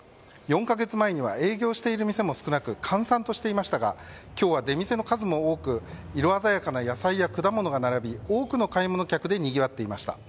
４カ月前には営業している店も少なく、閑散としていましたが今日は出店の数も多く色鮮やかな野菜や果物が並び多くの買い物客でにぎわっていました。